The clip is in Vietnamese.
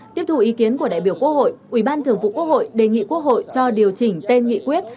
tiếp thu ý kiến của đại biểu quốc hội ủy ban thường vụ quốc hội đề nghị quốc hội cho điều chỉnh tên nghị quyết